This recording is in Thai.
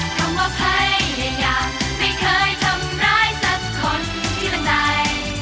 คำว่าใครอย่างไม่เคยทำร้ายสักคนที่ร่างราย